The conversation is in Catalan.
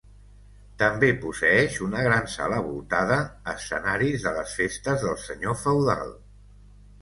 També posseeix una gran sala voltada, escenari de les festes del senyor feudal.